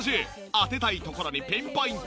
当てたいところにピンポイント。